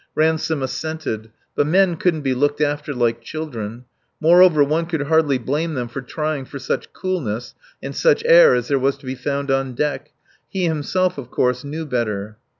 Ransome assented. But men couldn't be looked after like children. Moreover, one could hardly blame them for trying for such coolness and such air as there was to be found on deck. He himself, of course, knew better.